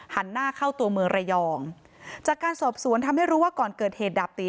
หันหน้าเข้าตัวเมืองระยองจากการสอบสวนทำให้รู้ว่าก่อนเกิดเหตุดาบตี